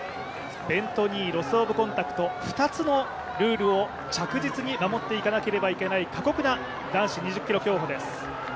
ベント・ニー、ロス・アド・コンタクト２つのルールを着実に守っていかなくてはいけない過酷な男子２０ｋｍ競歩です。